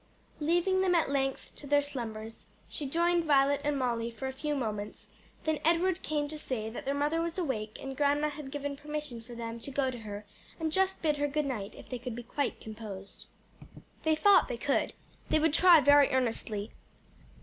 Leaving them at length to their slumbers, she joined Violet and Molly for a few moments; then Edward came to say that their mother was awake and grandpa had given permission for them to go to her and just bid her good night, if they could be quite composed. They thought they could; they would try very earnestly.